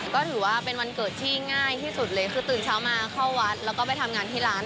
ก็ถือว่าเป็นวันเกิดที่ง่ายที่สุดเลยคือตื่นเช้ามาเข้าวัดแล้วก็ไปทำงานที่ร้าน